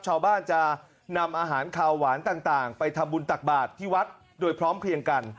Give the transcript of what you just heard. ชาวบ้านจะนำอาหารขาวหวานต่างไปทำบุญตักบาทที่วัดโดยพร้อมเพลียงกัน